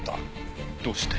どうして？